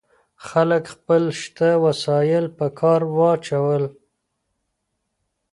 خلګو خپل شته وسایل په کار واچول.